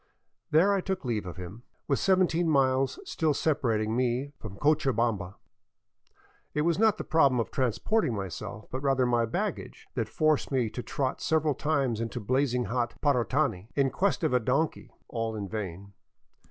There I took leave of him, with seventeen miles still separating me from Cochabamba. It was not the problem of transporting myself, but rather my baggage, that forced me to trot several times into blazing hot Parotani in quest of a donkey — all in vain.